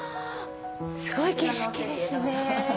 すごい景色ですね。